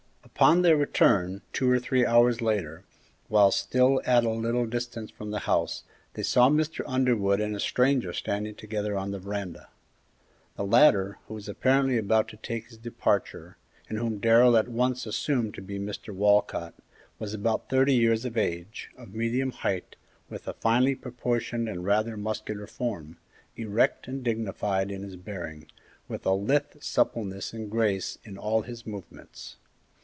Upon their return, two or three hours later, while still at a little distance from the house, they saw Mr. Underwood and a stranger standing together on the veranda. The latter, who was apparently about to take his departure, and whom Darrell at once assumed to be Mr. Walcott, was about thirty years of age, of medium height, with a finely proportioned and rather muscular form, erect and dignified in his bearing, with a lithe suppleness and grace in all his movements.